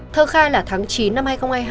thơ khai là tháng chín năm hai nghìn hai mươi hai